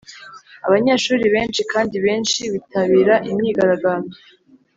abanyeshuri benshi kandi benshi bitabira imyigaragambyo.